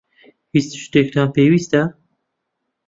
هیچ شتێکتان پێویستە؟